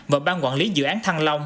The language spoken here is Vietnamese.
và ban quản lý dự án thăng long